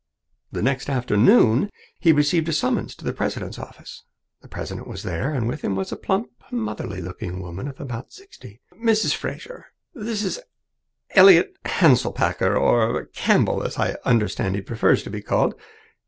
The next afternoon he received a summons to the president's office. The president was there, and with him was a plump, motherly looking woman of about sixty. "Mrs. Fraser, this is Elliott Hanselpakker, or Campbell, as I understand he prefers to be called.